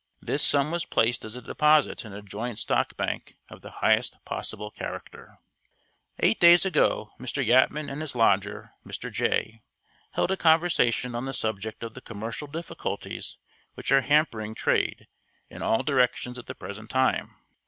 This sum was placed as a deposit in a joint stock bank of the highest possible character. Eight days ago Mr. Yatman and his lodger, Mr. Jay, held a conversation on the subject of the commercial difficulties which are hampering trade in all directions at the present time.